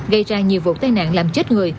gây ra nhiều vụ tai nạn làm chết người